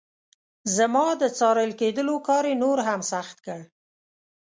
زما د څارل کېدلو کار یې نور هم سخت کړ.